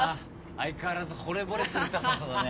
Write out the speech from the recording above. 相変わらずほれぼれするダサさだね。